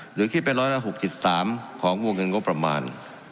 หรือคิดเป็นร้อยละ๖๓ของวงเงินงบประมาณ